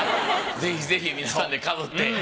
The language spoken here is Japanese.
ぜひぜひ皆さんで被って。